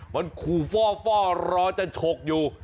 มันขูฟ่อฟ่อร้อยจับชกยู